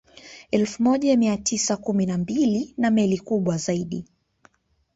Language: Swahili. Elfu moja mia mtisa kumi na mbili na meli kubwa zaidi